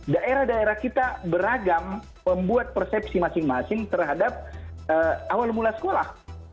daerah daerah kita beragam membuat persepsi masing masing terhadap awal mula sekolah